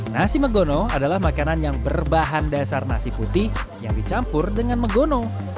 nasi megono adalah makanan yang berbahan dasar nasi putih yang dicampur dengan megono